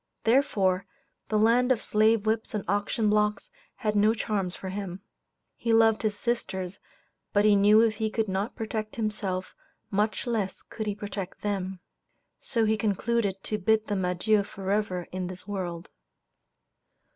Therefore, the land of slave whips and auction blocks had no charms for him. He loved his sisters, but he knew if he could not protect himself, much less could he protect them. So he concluded to bid them adieu forever in this world.